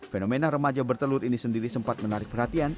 fenomena remaja bertelur ini sendiri sempat menarik perhatian